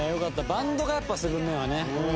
バンドがやっぱ７ＭＥＮはね」